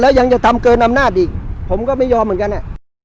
แล้วยังจะทำเกินอำนาจอีกผมก็ไม่ยอมเหมือนกันอ่ะ